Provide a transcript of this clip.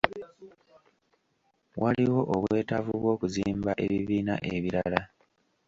Waliwo obwetaavu bw'okuzimba ebibiina ebirala.